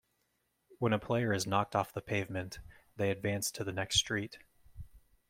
When a player is knocked off the pavement, they advance to the next street.